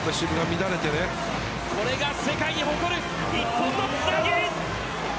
これが世界に誇る日本のつなぎ！